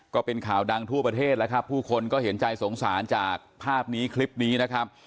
ก็เป็นข่าวดังทั่วประเทศแล้วครับผู้คนก็เห็นใจสงสารจากภาพนี้คลิปนี้นะครับ